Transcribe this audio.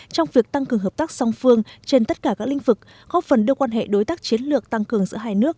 trong việc tăng cường hợp tác song phương trên tất cả các lĩnh vực góp phần đưa quan hệ đối tác chiến lược tăng cường giữa hai nước